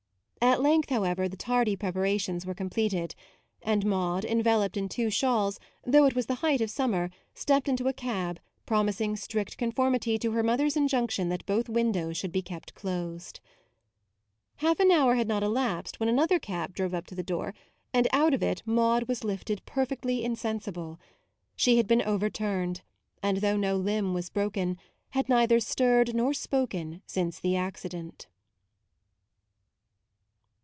At length, however, the tardy prepa rations were completed; and Maude, enveloped in two shawls, though it was the height of summer, stepped into a cab, promising strict con formity to her mother's injunction that both windows should be kept closed. Half an hour had not elapsed when another cab drove up to the door, and out of it Maude was lifted 88 MAUDE perfectly insensible. She had been overturned, and though no limb was broken, had neither stirred nor spoken since the accident.